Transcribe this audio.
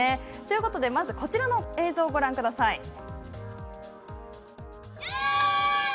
まずこちらの映像をご覧ください。